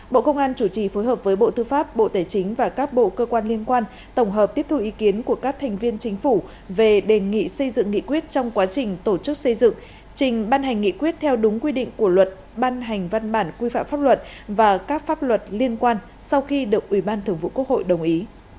bộ công an chủ trì phối hợp với bộ tư pháp bộ tài chính và các bộ cơ quan liên quan tổng hợp tiếp thu ý kiến của các thành viên chính phủ về đề nghị xây dựng nghị quyết trong quá trình tổ chức xây dựng trình ban hành nghị quyết theo đúng quy định của luật ban hành văn bản quy phạm pháp luật và các pháp luật liên quan sau khi được ủy ban thường vụ quốc hội đồng ý